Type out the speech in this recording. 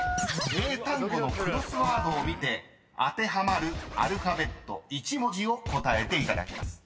［英単語のクロスワードを見て当てはまるアルファベット１文字を答えていただきます］